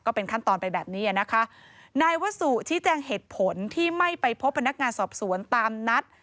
เป็นขั้นตอนไปแบบนี้อ่ะนะคะนายวสุชี้แจงเหตุผลที่ไม่ไปพบพนักงานสอบสวนตามนัด